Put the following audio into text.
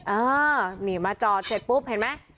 เออนี่มาจอดเสร็จปุ๊บเห็นไหม